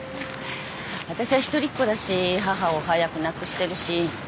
私は一人っ子だし母を早く亡くしてるし。